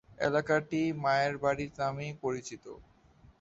এলাকাটি মায়ের বাড়ি নামেই পরিচিত।